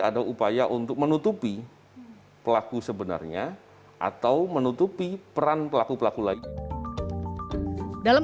ada upaya untuk menutupi pelaku sebenarnya atau menutupi peran pelaku pelaku lain dalam